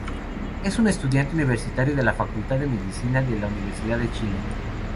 Es un estudiante universitario de la Facultad de Medicina de la Universidad de Chile.